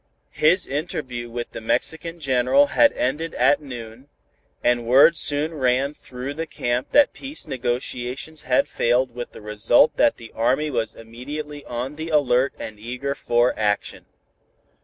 His interview with General Benevides had ended at noon, and word soon ran through the camp that peace negotiations had failed with the result that the army was immediately on the alert and eager for action.